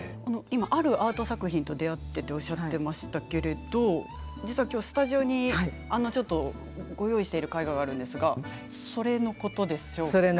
今あるアート作品と出会ってっておっしゃってましたけれど実は今日スタジオにご用意している絵画があるんですがそれのことでしょうか？